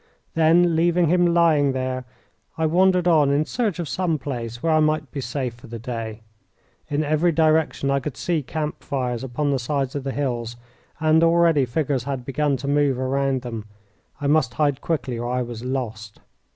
Then, leaving him lying there, I wandered on in search of some place where I might be safe for the day. In every direction I could see camp fires upon the sides of the hills, and already figures had begun to move around them. I must hide quickly, or I was lost.